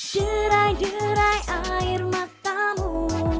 derai derai air matamu